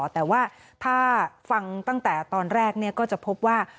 แต่ว่าถ้าฟังตั้งแต่ตอนแรกก็จะพบว่า